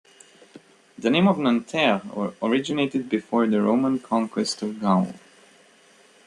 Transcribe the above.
The name of Nanterre originated before the Roman conquest of Gaul.